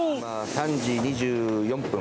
今３時２４分。